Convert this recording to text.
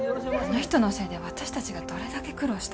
あの人のせいで私たちがどれだけ苦労したか。